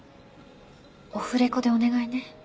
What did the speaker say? オフレコでお願いね。